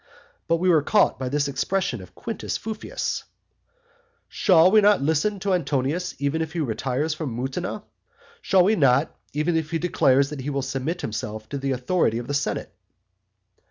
But we were caught by this expression of Quintus Fufius; "Shall we not listen to Antonius, even if he retires from Mutina? Shall we not, even if he declares that he will submit himself to the authority of the senate?"